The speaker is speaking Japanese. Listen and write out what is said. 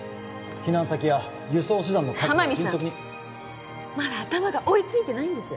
避難先や輸送手段の確保を迅速天海さんまだ頭が追いついてないんです